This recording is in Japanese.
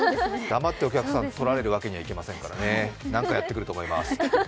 黙ってお客さんとられるわけにいきませんから何かやってくると思います。